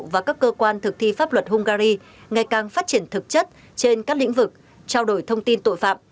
và các cơ quan thực thi pháp luật hungary ngày càng phát triển thực chất trên các lĩnh vực trao đổi thông tin tội phạm